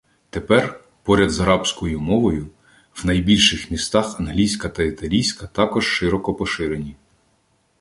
Тепер, поряд з арабською мовою, в найбільших містах англійська та італійська також широко поширені.